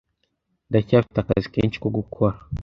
Ndacyafite akazi kenshi ko gukora